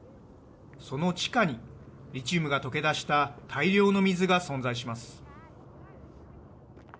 その地下に、リチウムが溶け出した大量の水が存在します。